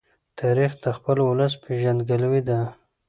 تاریخ د خپل ولس پېژندګلوۍ ده.